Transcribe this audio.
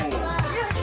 よし！